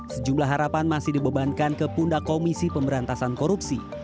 sejumlah harapan masih dibebankan ke pundak komisi pemberantasan korupsi